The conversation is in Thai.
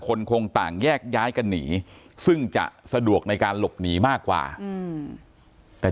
คงต่างแยกย้ายกันหนีซึ่งจะสะดวกในการหลบหนีมากกว่าแต่